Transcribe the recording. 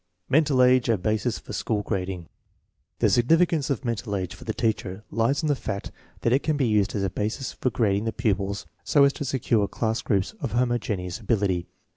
Mental age a basis for school grading. The signifi cance of mental age for the teacher lies in the fact that it can be used as a basis for grading the pupils so as to secure class groups of homogeneous ability.